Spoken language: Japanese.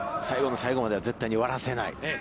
最後の最後まで絶対終わらせない